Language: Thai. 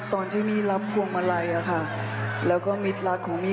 ตอนที่มี่รับพวงมาลัยแล้วก็มิดลักษณ์ของมี่